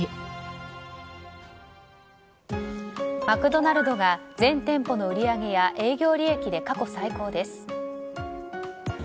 マクドナルドが全店舗の売り上げや営業利益で過去最高です。